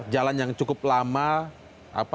jalan yang cukup lama